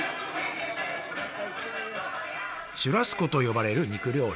シュラスコと呼ばれる肉料理。